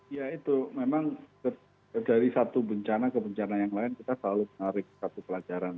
ya itu memang dari satu bencana ke bencana yang lain kita selalu menarik satu pelajaran